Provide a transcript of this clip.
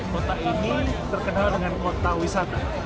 kota ini terkenal dengan kota wisata